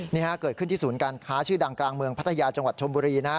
นี่ฮะเกิดขึ้นที่ศูนย์การค้าชื่อดังกลางเมืองพัทยาจังหวัดชมบุรีนะฮะ